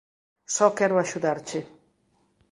Só quero axudarche.